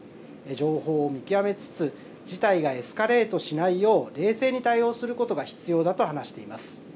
情報を見極めつつ事態がエスカレートしないよう冷静に対応することが必要だと話しています。